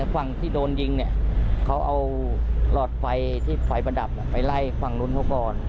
ฝั่งที่โดนยิงเนี่ยเขาเอาหลอดไฟที่ไฟประดับไปไล่ฝั่งนู้นเขาก่อน